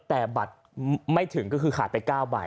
แต่บัตรไม่ถึงก็คือขาดไป๙ใบ